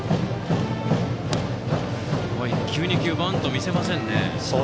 １球、２球バントを見せませんね。